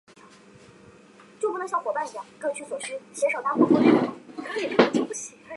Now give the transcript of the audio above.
最早针对死亡人数的调查开始于地震发生后不久。